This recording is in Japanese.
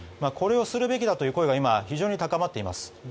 これをするべきだという声が今、非常に高まっています。